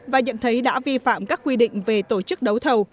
và nhận thấy đã vi phạm các quy định về tổ chức đấu thầu